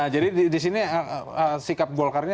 jadi di sini sikap golkar ini